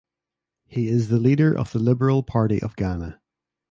He is the leader of the Liberal Party of Ghana.